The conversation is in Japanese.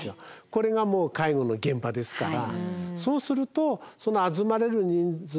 これがもう介護の現場ですから。